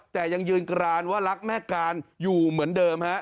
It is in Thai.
แต่ยังยืนกรานว่ารักแม่การอยู่เหมือนเดิมฮะ